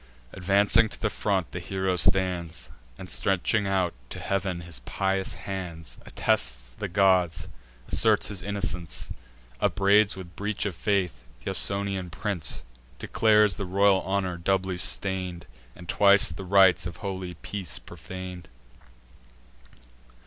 Advancing to the front, the hero stands, And, stretching out to heav'n his pious hands, Attests the gods, asserts his innocence, Upbraids with breach of faith th' Ausonian prince; Declares the royal honour doubly stain'd, And twice the rites of holy peace profan'd.